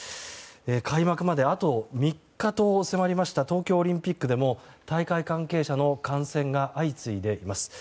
開幕まで、あと３日と迫りました東京オリンピックでも大会関係者の感染が相次いでいます。